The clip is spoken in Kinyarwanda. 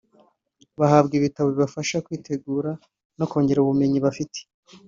bahabwa ibitabo bibafasha kwitegura no kongera ubumenyi bafite